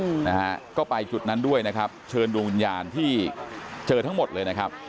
อืมนะฮะก็ไปจุดนั้นด้วยนะครับเชิญดวงวิญญาณที่เจอทั้งหมดเลยนะครับ